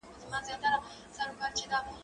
زه مخکي کتابتون ته تللی و؟